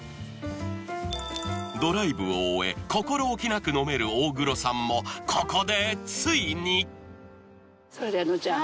ドライブを終え心置きなく飲める大黒さんもここでついにそれではノリちゃん。